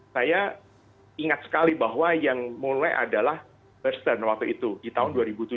saya ingat sekali bahwa yang mulai adalah western waktu itu di tahun dua ribu tujuh